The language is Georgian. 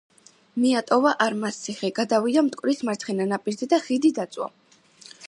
მიატოვა არმაზციხე, გადავიდა მტკვრის მარცხენა ნაპირზე და ხიდი დაწვა.